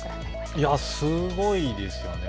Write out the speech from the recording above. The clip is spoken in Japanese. いや、すごいですよね。